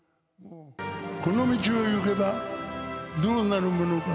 この道を行けばどうなるものか。